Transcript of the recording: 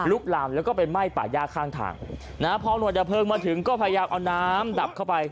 ลามแล้วก็ไปไหม้ป่าย่าข้างทางนะฮะพอหน่วยดับเพลิงมาถึงก็พยายามเอาน้ำดับเข้าไป